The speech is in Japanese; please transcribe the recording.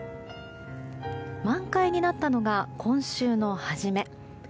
満開になったのが今週の初め。